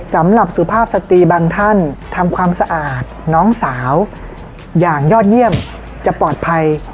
สำหรับสุภาพสตรีบางท่านทำความสะอาดน้องสาวอย่างยอดเยี่ยมจะปลอดภัย